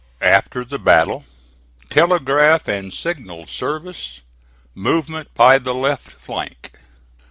AFTER THE BATTLE TELEGRAPH AND SIGNAL SERVICE MOVEMENT BY THE LEFT FLANK.